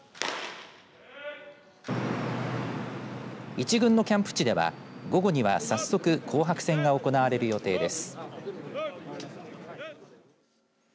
１軍のキャンプ地では午後には早速紅白戦が行われる予定です。